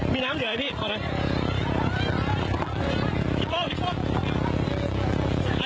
มีน้ำเหลือไหมพี่ขอด้วย